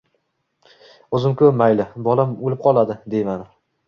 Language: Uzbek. O‘zim-ku, mayli, bolam o‘lib qoladi, deyman.